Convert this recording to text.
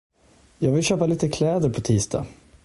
Jag vill köpa lite kläder på tisdag.